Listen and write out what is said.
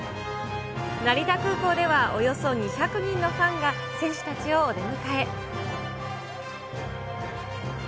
成田空港ではおよそ２００人のファンが選手たちを出迎え。